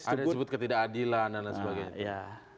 ada disebut ketidakadilan dan lain sebagainya